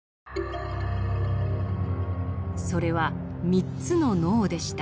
それは三つの脳でした。